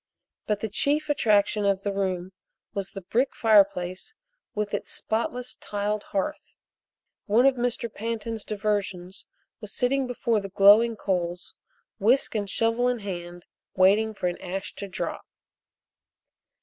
But the chief attraction of the room was the brick fireplace with its spotless tiled hearth. One of Mr. Pantin's diversions was sitting before the glowing coals, whisk and shovel in hand, waiting for an ash to drop.